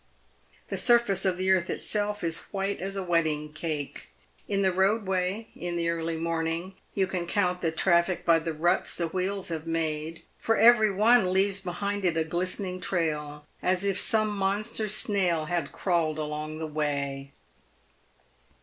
The surface of the earth itself is white as a wedding cake. In the roadway, in the early morning, you can count the traffic by the ruts the wheels have made, for every one leaves behind it a glistening trail as if some monster snail had crawled along the way.